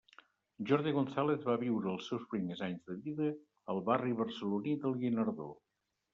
Jordi González va viure els seus primers anys de vida al barri barceloní del Guinardó.